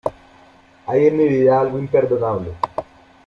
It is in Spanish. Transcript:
hay en mi vida algo imperdonable.